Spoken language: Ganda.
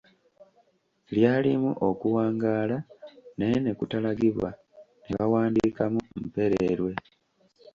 Lyalimu okuwangaala naye ne kutalagibwa ne bawandiikamu ‘Mpererwe.’